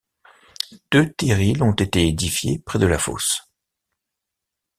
Deux terrils ont été édifiés près de la fosse.